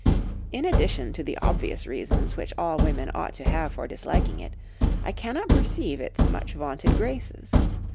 "In addition to the obvious reasons which all women ought to have for disliking it, I cannot perceive its much vaunted graces.